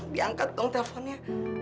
dianget dong teleponnya